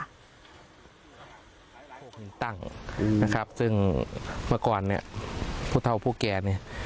พวกคุณตั้งนะครับซึ่งเมื่อก่อนเนี่ยผู้เท่าผู้แก่เนี่ย